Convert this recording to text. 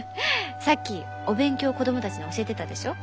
さっきお勉強子供たちに教えてたでしょ？